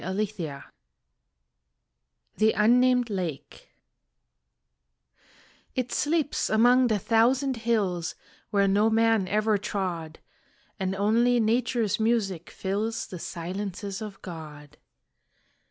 Ruskin THE UNNAMED LAKE It sleeps among the thousand hills Where no man ever trod, And only nature's music fills The silences of God.